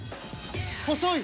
「細い」。